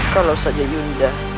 kalau saja yunda